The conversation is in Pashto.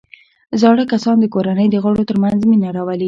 زاړه کسان د کورنۍ د غړو ترمنځ مینه راولي